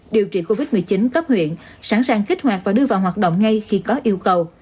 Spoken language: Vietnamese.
điều trị covid một mươi chín cấp huyện sẵn sàng kích hoạt và đưa vào hoạt động ngay khi có yêu cầu